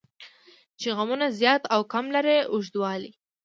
چې غمونه زیات او کم لري اوږدوالی.